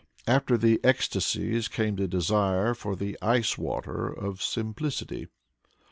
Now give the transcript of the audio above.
After the ecstasies came the desire for the ice water of simplicity.